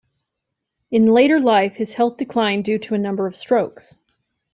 In later life, his health declined due to a number of strokes.